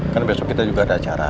kan besok kita juga ada acara